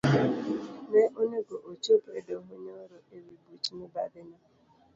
Ne onego ochop edoho nyoro ewi buch mibadhino.